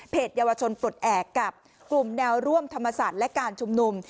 เยาวชนปลดแอบกับกลุ่มแนวร่วมธรรมศาสตร์และการชุมนุม